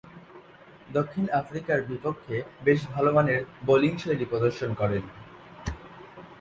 দক্ষিণ আফ্রিকার বিপক্ষে বেশ ভালোমানের বোলিংশৈলী প্রদর্শন করেন।